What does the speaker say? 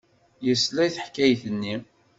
Yesla i teḥkayt-nni.